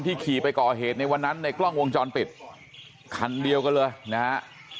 ขี่ไปก่อเหตุในวันนั้นในกล้องวงจรปิดคันเดียวกันเลยนะฮะ